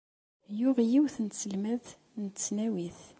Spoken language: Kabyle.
Yuɣ yiwet n tselmadt n tesnawit.